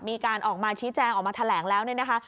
มีการออกมาชี้แจงออกมาแถลงแล้วเนี่ยนะคะ